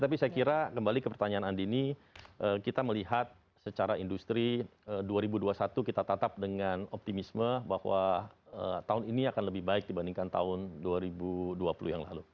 tapi saya kira kembali ke pertanyaan andini kita melihat secara industri dua ribu dua puluh satu kita tatap dengan optimisme bahwa tahun ini akan lebih baik dibandingkan tahun dua ribu dua puluh yang lalu